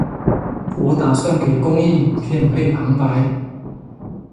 我打算給公益影片配旁白